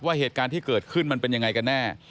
เหตุการณ์ที่เกิดขึ้นมันเป็นยังไงกันแน่